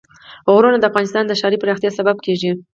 غرونه د افغانستان د ښاري پراختیا سبب کېږي.